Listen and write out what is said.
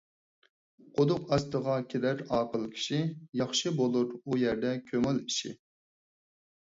قۇدۇق ئاستىغا كىرەر ئاقىل كىشى، ياخشى بولۇر ئۇ يەردە كۆڭۈل ئىشى.